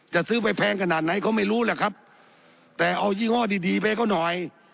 จะซื้อไปแพงขนาดไหนเขาไม่รู้แหละครับแต่เอายี่ห้อดีดีไปให้เขาหน่อย